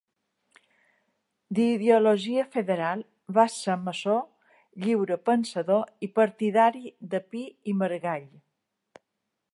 D'ideologia federal, va ser maçó, lliurepensador i partidari de Pi i Margall.